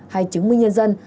hay chứng minh nhân dân